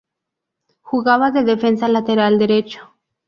Jugaba de defensa lateral derecho.